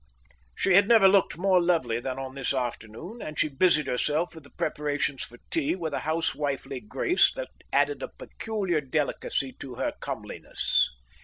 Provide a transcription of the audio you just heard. She had never looked more lovely than on this afternoon, and she busied herself with the preparations for tea with a housewifely grace that added a peculiar delicacy to her comeliness.